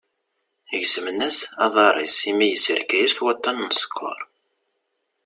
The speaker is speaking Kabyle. Gezmen-as aṭar-is, imi ysserka-as-t waṭṭan n ssker.